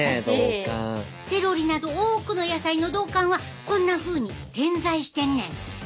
セロリなど多くの野菜の道管はこんなふうに点在してんねん。